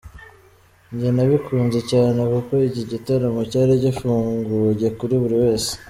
Njye nabikunze cyane kuko iki gitaramo cyari gifunguye kuri buri wese.